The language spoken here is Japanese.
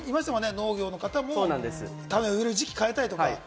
農業の方も種を植える時期を変えたりとか。